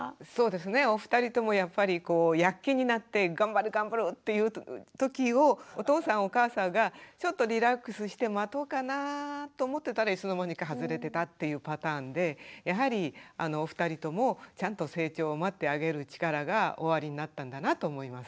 お二人ともやっぱり躍起になって頑張る頑張るというときをお父さんお母さんがちょっとリラックスして待とうかなと思ってたらいつの間にか外れてたっていうパターンでやはりお二人ともちゃんと成長を待ってあげる力がおありになったんだなと思います。